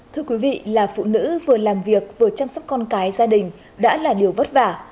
thưa quý vị là phụ nữ vừa làm việc vừa chăm sóc con cái gia đình đã là điều vất vả